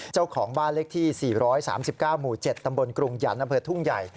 เจ้าของบ้านเลขที่๔๓๙หมู่๗ตำบลกรุงหยันต์อำเภอทุ่งใหญ่